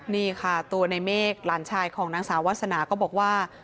นี่ค่ะตัวในเมฆหลานชายของนางสาววาสนาก็บอกว่า